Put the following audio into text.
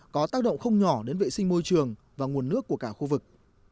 có tác động không nhỏ đến vệ sinh môi trường và nguồn nước của cả khu vực